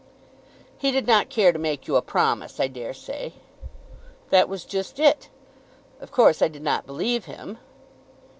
"He did not care to make you a promise, I dare say." "That was just it. Of course I did not believe him."